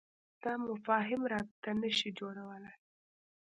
دا مفاهیم رابطه نه شي جوړولای.